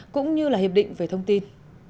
cũng như là hiệp định về thông tin